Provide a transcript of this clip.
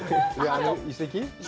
あの遺跡？